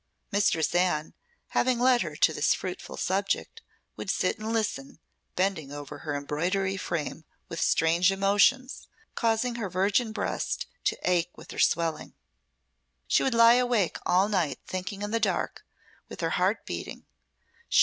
Mistress Anne, having led her to this fruitful subject, would sit and listen, bending over her embroidery frame with strange emotions, causing her virgin breast to ache with their swelling. She would lie awake at night thinking in the dark, with her heart beating.